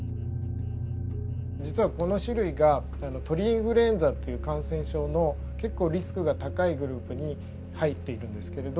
実はこの種類が鳥インフルエンザっていう感染症の結構リスクが高いグループに入っているんですけれど。